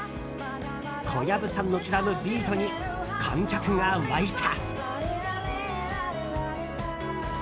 小籔さんの刻むビートに観客が沸いた。